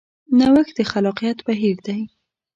نوښت د خلاقیت بهیر دی.